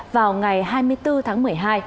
vào ngày hai mươi bốn tháng một mươi hai